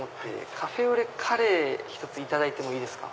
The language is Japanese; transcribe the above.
カフェオレカレー１つ頂いていいですか。